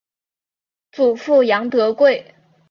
祖父杨德贵。